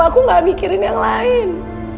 aku gak mikirin yang lain